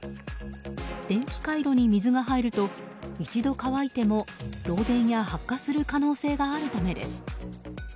電気回路に水が入ると一度乾いても漏電や発火する可能性があるためです。